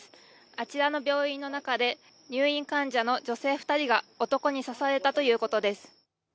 あちらの病院の中で入院患者の女性２人が男に刺されたということです。